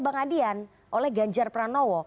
bang adian oleh ganjar pranowo